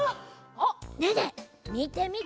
ねえねえみてみて。